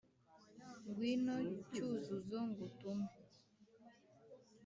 ngwino cyuzuzo ngutume